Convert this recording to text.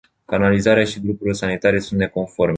Canalizarea și grupurile sanitare sunt neconforme.